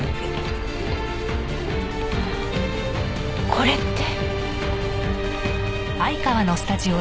これって。